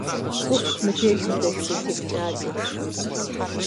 Ӏуфх мыбдеж мы дэшхуей теплъаджэр!